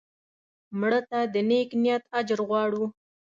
مړه ته د نیک نیت اجر غواړو